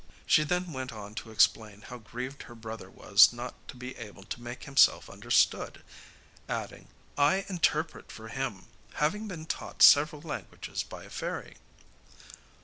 She then went on to explain how grieved her brother was not to be able to make himself understood, adding: 'I interpret for him, having been taught several languages by a fairy.